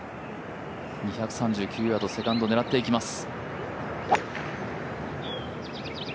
２３９ヤード、セカンド狙っていきます。